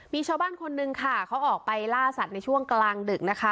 มีชาวบ้านคนนึงค่ะเขาออกไปล่าสัตว์ในช่วงกลางดึกนะคะ